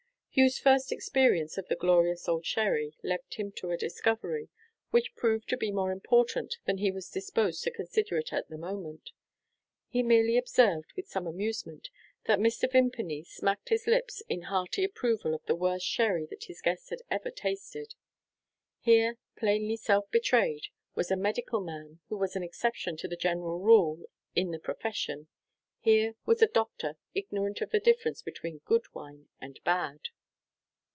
Hugh's first experience of the "glorious old sherry" led him to a discovery, which proved to be more important than he was disposed to consider it at the moment. He merely observed, with some amusement, that Mr. Vimpany smacked his lips in hearty approval of the worst sherry that his guest had ever tasted. Here, plainly self betrayed, was a medical man who was an exception to a general rule in the profession here was a doctor ignorant of the difference between good wine and bad!